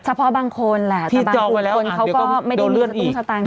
เฉพาะบางคนแหละแต่บางคนเขาก็ไม่ได้มีตรงสตางค์ที่จะพิสิทธิ์